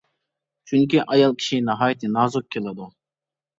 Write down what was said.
چۈنكى ئايال كىشى ناھايىتى نازۇك كېلىدۇ.